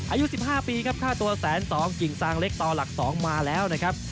อายุ๑๕ปีครับค่าตัว๑๒๐๐กิ่งซางเล็กต่อหลัก๒มาแล้วนะครับ